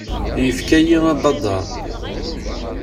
Yefka-yi abadaṛ.